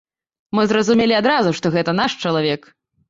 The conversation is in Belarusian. Мы зразумелі адразу, што гэта наш чалавек.